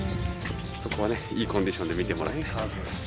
修海呂いいコンディションで見てもらいたいと思います。